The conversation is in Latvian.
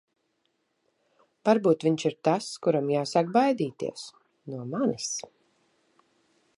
Varbūt viņš ir tas, kuram jāsāk baidīties... no manis.